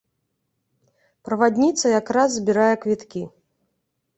Правадніца якраз збірае квіткі.